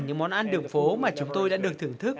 những món ăn đường phố mà chúng tôi đã được thưởng thức